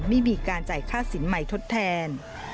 ไม่มีการจ่ายค่าสินใหม่ทดแทน